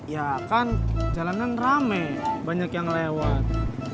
ya kan jalanan rame banyak yang lewat